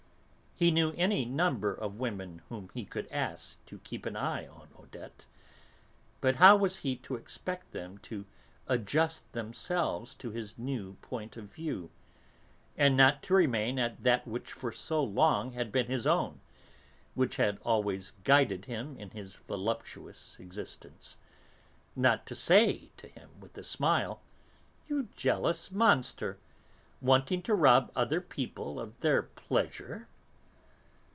He knew any number of women whom he could ask to keep an eye on Odette, but how was he to expect them to adjust themselves to his new point of view, and not to remain at that which for so long had been his own, which had always guided him in his voluptuous existence; not to say to him with a smile: "You jealous monster, wanting to rob other people of their pleasure!"